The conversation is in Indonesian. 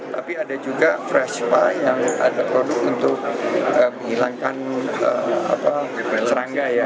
tapi ada juga freshpa yang ada untuk menghilangkan serangga ya